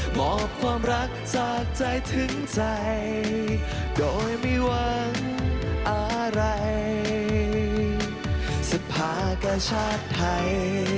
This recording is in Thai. บอกความรักจากใจถึงใจโดยไม่หวังอะไรสภากชาติไทย